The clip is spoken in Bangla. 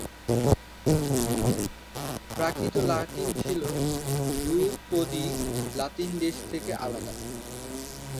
প্রাকৃত লাতিন ছিল ধ্রুপদী লাতিন থেকে বেশ আলাদা।